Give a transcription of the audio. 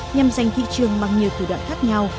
nhằm giành thị trường bằng nhiều thủ đoạn khác nhau